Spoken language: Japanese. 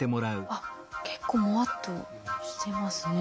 あっ結構モワッとしてますね。